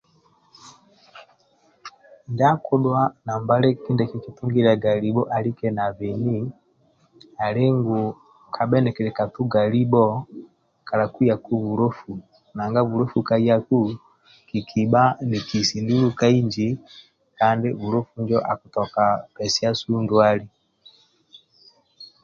Ndiakidhuwa kindia kikitughilyaga libho alike na bheni ali ngu kabha nikili katuga libho kala kuyaku bulofu nanga bulofu kayaku kikiba nikidi nsulu ka inji kandi bulofu injo akitoka pesiasu ndwali.